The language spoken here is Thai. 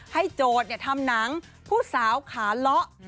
โจทย์ทำหนังผู้สาวขาเลาะ